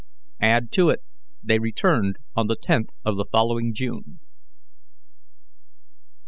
'" "Add to it, 'They returned on the 10th of the following June.'"